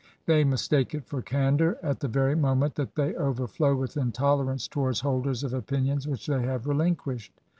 They mistake it for candour, at the very moment that they overflow with intolerance towards holders of opinions which they have relinquished.